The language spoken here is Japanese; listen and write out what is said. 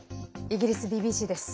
イギリスＢＢＣです。